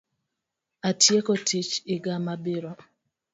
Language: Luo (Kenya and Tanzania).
Atieko tiich iga mabiro.